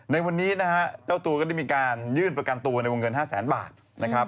ในวันนี้นะฮะเจ้าตัวก็ได้มีการยื่นประกันตัวในวงเงิน๕แสนบาทนะครับ